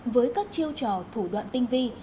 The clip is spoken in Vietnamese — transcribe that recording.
với các chiêu trò thủ đoạn tinh vi